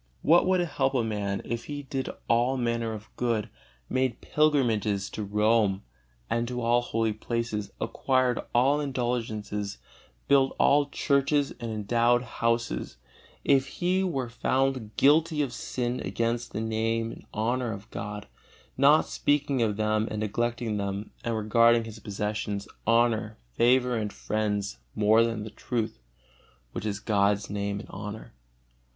What would it help a man if he did all manner of good, made pilgrimages to Rome and to all holy places, acquired all indulgences, built all churches and endowed houses, if he were found guilty of sin against the Name and honor of God, not speaking of them and neglecting them, and regarding his possessions, honor, favor and friends more than the truth (which is God's Name and honor)?